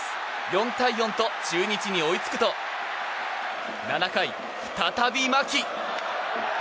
４対４と中日に追いつくと７回、再び牧。